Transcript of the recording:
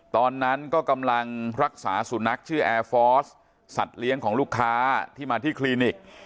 ตอนนั้นก็กำลังรักษาสุนัขชื่อแอร์ฟอร์สสัตว์เลี้ยงของลูกค้าที่มาที่คลินิก